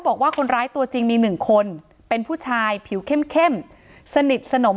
บอกว่าคนร้ายตัวจริงมีหนึ่งคนเป็นผู้ชายผิวเข้มสนิทสนม